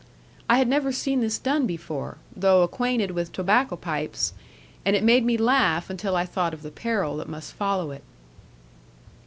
I had never seen this done before, though acquainted with tobacco pipes; and it made me laugh, until I thought of the peril that must follow it.